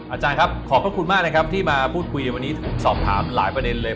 อาจารย์ครับขอบพระคุณมากนะครับที่มาพูดคุยวันนี้สอบถามหลายประเด็นเลย